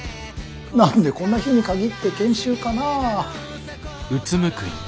何でこんな日に限って研修かなぁ。